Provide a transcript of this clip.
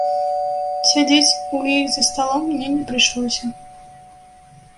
Сядзець у іх за сталом мне не прыйшлося.